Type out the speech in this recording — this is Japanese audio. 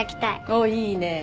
おっいいね。